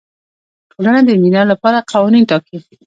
ټولنه د انجینر لپاره قوانین ټاکي.